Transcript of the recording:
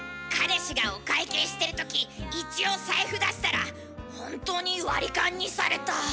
彼氏がお会計してる時一応財布出したら本当に割り勘にされた。